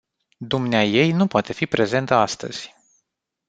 Dumneaei nu poate fi prezentă astăzi.